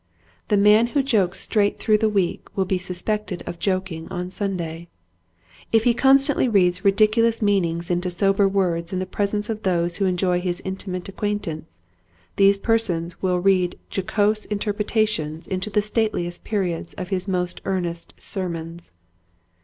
The man who jokes straight through the week will be suspected of joking on Sunday. If he constantly reads ridiculous meanings into sober words in the presence of those who enjoy his intimate acquaintance, these persons will read jocose interpretations into the stateliest periods of his most earnest sermons.